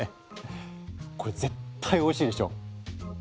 これ絶対おいしいでしょ！